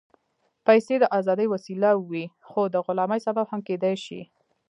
پېسې د ازادۍ وسیله وي، خو د غلامۍ سبب هم کېدای شي.